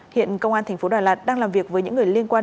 hiện công an tp đà lạt đang làm việc với những người liên quan